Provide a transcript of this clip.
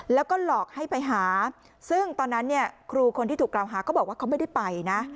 แล้วก็หลอกให้ไปหาซึ่งตอนนั้นเนี่ยครูคนที่ถูกกล่าวหาเขาบอกว่าเขาไม่ได้ไปนะ